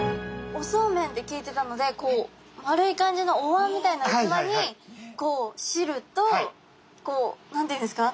おそうめんって聞いてたのでこう丸い感じのおわんみたいなうつわにこう汁とこう何て言うんですか？